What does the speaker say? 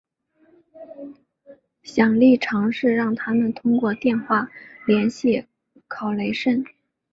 亨利尝试让他们通过电话联系考雷什。